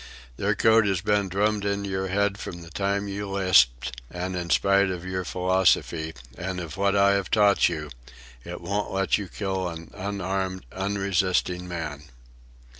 Their code has been drummed into your head from the time you lisped, and in spite of your philosophy, and of what I have taught you, it won't let you kill an unarmed, unresisting man."